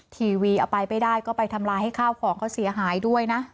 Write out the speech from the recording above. ทีวีเอาไปไม่ได้ก็ไปทำลายให้ข้าวของเขาเสียหายด้วยนะ